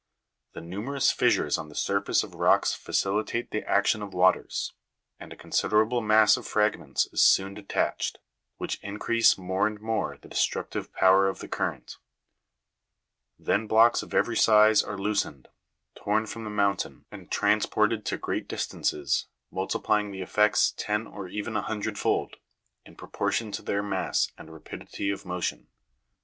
The numerous fissures on the surface of rocks facilitate the action of waters, and a considerable mass of fragments is soon detached, which increase more and more the destructive power of the current. Then blocks of every size are loosened, torn from the mountain and transported to great distances, multiplying the effects ten or even a hundred fold, in proportion to their mass and rapidity of motion.